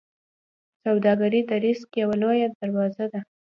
سوداګري د رزق یوه لویه دروازه ده.